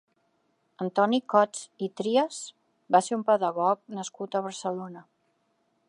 Antoni Cots i Trias va ser un pedagog nascut a Barcelona.